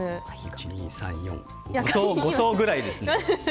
５層ぐらいですね。